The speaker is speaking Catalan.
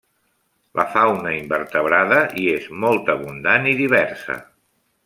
La fauna invertebrada hi és molt abundant i diversa.